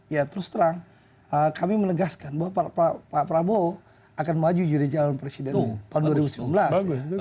ya terus terang kami menegaskan bahwa pak prabowo akan maju jadi calon presiden tahun dua ribu sembilan belas